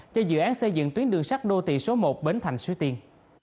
cho dự án xây dựng tuyến đường sắt đô tỷ số một bến thành xuế tiên